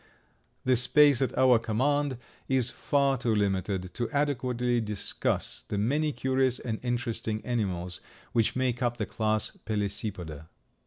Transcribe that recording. The space at our command is far too limited to adequately discuss the many curious and interesting animals which make up the class Pelecypoda.